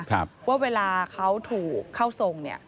ว่าเวลาเขาถูกเข้าทรงเนี่ย